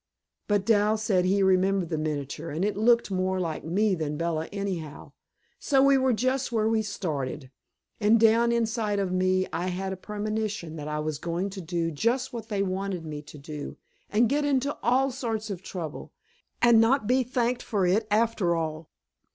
But Dal said he remembered the miniature, and it looked more like me than Bella, anyhow. So we were just where we started. And down inside of me I had a premonition that I was going to do just what they wanted me to do, and get into all sorts of trouble, and not be thanked for it after all.